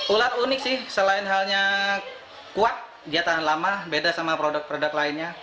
ulat unik sih selain halnya kuat dia tahan lama beda sama produk produk lainnya